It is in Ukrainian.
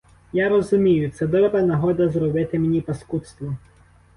Я розумію: це добра нагода зробити мені паскудство.